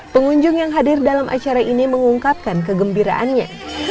pengunjung yang hadir dalam acara ini mengungkapkan kegembiraannya